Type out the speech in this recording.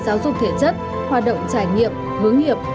giáo dục thể chất hoạt động trải nghiệm hướng nghiệp